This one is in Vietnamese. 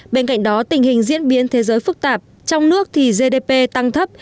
bên cạnh đó tình hình diễn biến thế giới phức tạp trong nước thì gdp tăng thấp